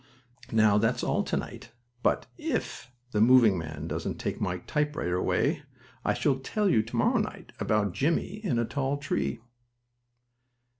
Now that's all to night, but, if the moving man doesn't take my typewriter away, I shall tell you to morrow night about Jimmie in a tall tree.